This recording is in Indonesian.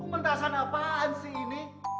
pementasan apaan sih ini